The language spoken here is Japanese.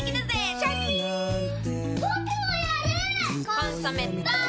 「コンソメ」ポン！